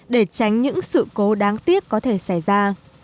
để tránh những sự cố đáng tiếc có thể xảy ra